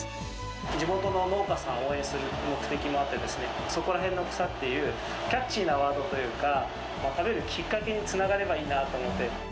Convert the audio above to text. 地元の農家さんを応援する目的もあって、そこらへんの草っていうキャッチーなワードというか、食べるきっかけにつながればいいなと思って。